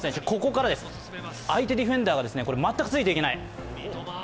ここからです、相手ディフェンダーが全くついていけない。